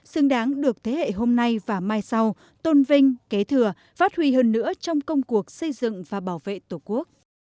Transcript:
xứng đáng được thế hệ hôm nay và mai sau tôn vinh kế thừa phát huy hơn nữa trong công cuộc xây dựng và bảo vệ tổ quốc